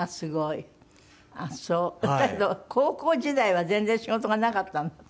だけど高校時代は全然仕事がなかったんだって？